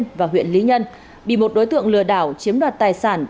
công an thị xã duy tiên và huyện lý nhân bị một đối tượng lừa đảo chiếm đoạt tài sản